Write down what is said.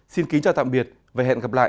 xin kính chào tạm biệt và hẹn gặp lại